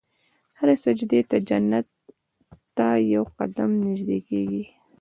هر سجدې ته جنت ته یو قدم نژدې کېږي.